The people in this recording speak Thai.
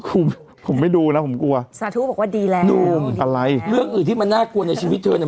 ผมผมไม่ดูนะผมกลัวสาธุบอกว่าดีแล้วหนุ่มอะไรเรื่องอื่นที่มันน่ากลัวในชีวิตเธอเนี่ย